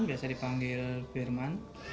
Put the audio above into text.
biasa dipanggil firman